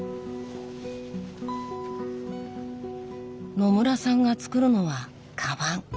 野村さんが作るのはかばん。